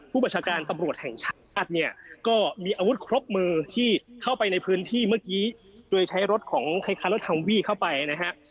ประชาการตำรวจแห่งชาติเนี่ยก็มีอาวุธครบมือที่เข้าไปในพื้นที่เมื่อกี้โดยใช้รถของคล้ายรถคัมวี่เข้าไปนะฮะ